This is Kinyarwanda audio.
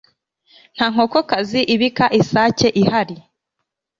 nta nkokokazi ibika isake ihari